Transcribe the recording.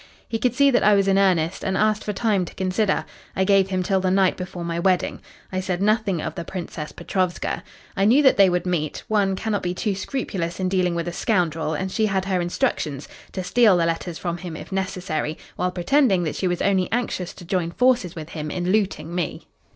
He could see that I was in earnest, and asked for time to consider. I gave him till the night before my wedding. I said nothing of the Princess Petrovska. I knew that they would meet. One cannot be too scrupulous in dealing with a scoundrel, and she had her instructions to steal the letters from him if necessary, while pretending that she was only anxious to join forces with him in looting me.